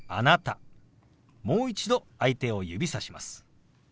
もう一度相手を指さします。